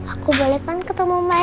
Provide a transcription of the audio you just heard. aku boleh kan ketemu maik